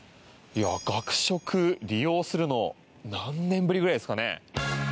学食、利用するの何年ぶりぐらいですかね。